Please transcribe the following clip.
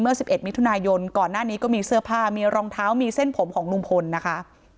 ๑๑มิถุนายนก่อนหน้านี้ก็มีเสื้อผ้ามีรองเท้ามีเส้นผมของลุงพลนะคะ